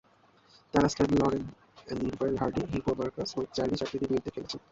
তারা Stan Laurel, Oliver Hardy, Harpo Marx ও Charlie চ্যাপলিনের বিরুদ্ধে খেলেছেন।